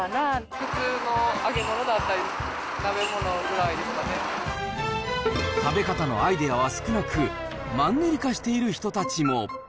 普通の揚げ物だったり、食べ方のアイデアは少なく、マンネリ化している人たちも。